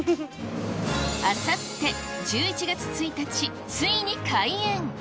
あさって１１月１日、ついに開園。